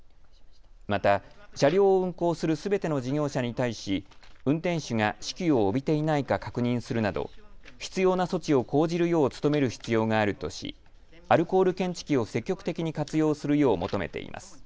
また車両を運行するすべての事業者に対し、運転手が酒気を帯びていないか確認するなど必要な措置を講じるよう努める必要があるとし、アルコール検知器を積極的に活用するよう求めています。